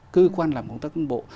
cơ quan làm công tác căn bộ